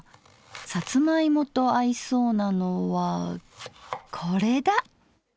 さつま芋と合いそうなのはこれだ！